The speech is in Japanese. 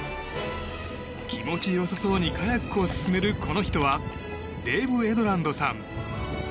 気持ち良さそうにカヤックを進めるこの人はデイブ・エドランドさん。